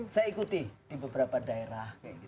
saya ikuti di beberapa daerah